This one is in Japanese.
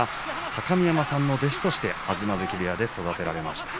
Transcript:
高見山さんの弟子として東関部屋で育てられました。